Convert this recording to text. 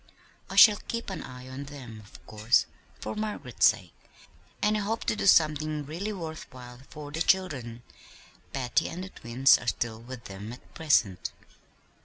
I shall keep my eye on them, of course, for Margaret's sake, and I hope to do something really worth while for the children. Patty and the twins are still with them at present."